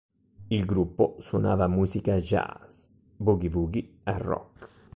Il gruppo suonava musica jazz, Boogie Woogie e Rock.